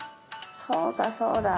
そうだそうだ。